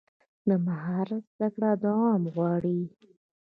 د مهارت زده کړه دوام غواړي.